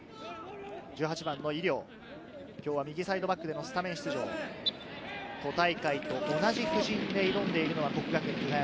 １８番の井料、今日は右サイドバックでのスタメン出場。都大会と同じ布陣で挑んでいる國學院久我山。